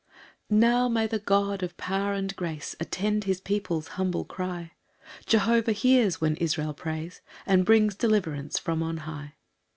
1 Now may the God of power and grace Attend his people's humble cry! Jehovah hears when Israel prays, And brings deliverance from on high.